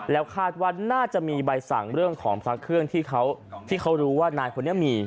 แล้วคาดว่าน่าจะมีใบสั่งเรื่องของพระเครื่องที่เขารู้ว่านายคนนี้มี